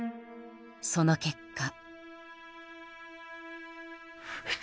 その結果。